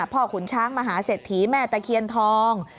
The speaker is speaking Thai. พ่อขุนช้างมหาเสดทีแม่ตะเคียนทอง